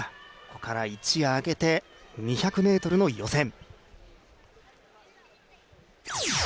そこから一夜明けて２００ｍの予選。